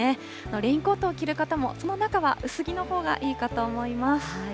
レインコートを着る方も、その中は薄着のほうがいいかと思います。